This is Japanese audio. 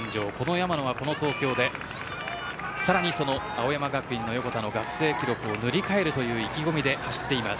山野はこの東京で青山学院の横田の学生記録を塗り替える意気込みで走っています。